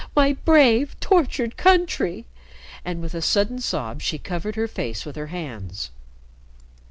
My brave, tortured country!" and with a sudden sob she covered her face with her hands.